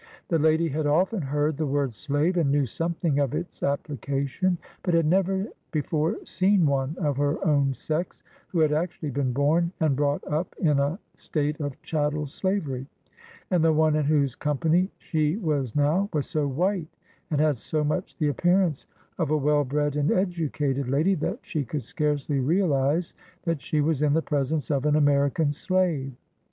The lady had often heard the word l slave,' and knew something of its ap plication, but had never before seen one of her own sex who had actually been born and brought up in a state of chattel slavery; and the one in whose company she was now was so white, and had so much the ap pearance of a well bred and educated lady, that she could scarcely realize that she was in the presence of an American slave.